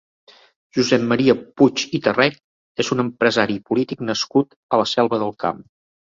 Josep Maria Puig i Tàrrech és un empresari i polític nascut a la Selva del Camp.